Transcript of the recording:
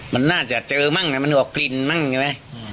มันน่าจะเจอมั่งน่ะมันก็กลิ่นมั่งใช่ไหมอืม